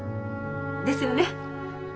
ですよね？